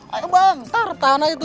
ayo bang start tahan aja dulu